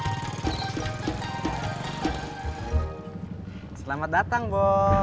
kan kita bet lukin ah